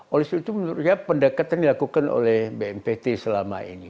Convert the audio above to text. oleh sebab itu menurut saya pendekatan dilakukan oleh bnpt selama ini